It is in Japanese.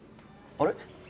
あれ？